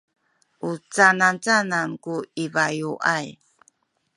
u canacanan ku i bayuay?